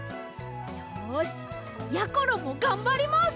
よしやころもがんばります！